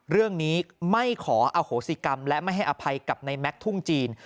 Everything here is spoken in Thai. เรื่องนี้ไม่ขออโหสิกรรมและไม่ให้อภัยกับในแม็กซ์ทุ่งจีน